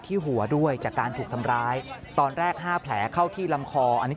หัวด้วยจากการถูกทำร้ายตอนแรก๕แผลเข้าที่ลำคออันนี้